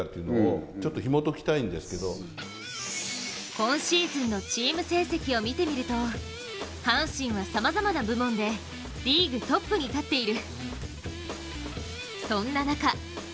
今シーズンのチーム成績を見てみると阪神はさまざまな部門で、リーグトップに立っている。